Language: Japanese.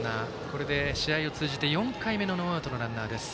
これで試合を通じて４回目のノーアウトのランナーです。